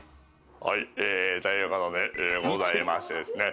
「はい。えということでございましてですね」